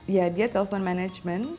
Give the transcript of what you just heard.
ya dia telpon management